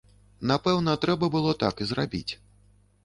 Напэўна, трэба было так і зрабіць.